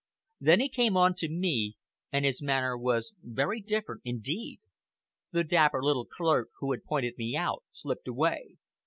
Then he came on to me, and his manner was very different indeed. The dapper little clerk, who had pointed me out, slipped away.